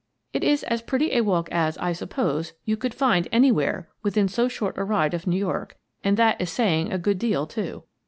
It is as pretty a walk as, I suppose, you could find anywhere within so short a ride of New York — and that is saying a good deal, too.